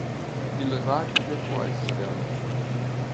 Il rachide può essere alato.